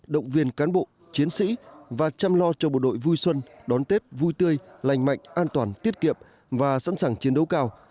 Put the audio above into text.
động viên cán bộ chiến sĩ và chăm lo cho bộ đội vui xuân đón tết vui tươi lành mạnh an toàn tiết kiệm và sẵn sàng chiến đấu cao